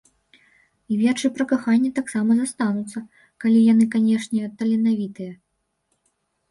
І вершы пра каханне таксама застануцца, калі яны, канешне, таленавітыя.